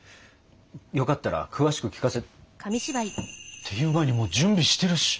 よかったら詳しく聞かせ。っていう前にもう準備してるし！